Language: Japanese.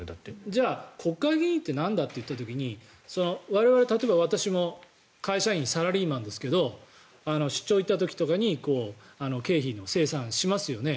じゃあ国会議員ってなんだっていった時に我々例えば、私も会社員、サラリーマンですけど出張に行った時とかに経費の精算をしますよね。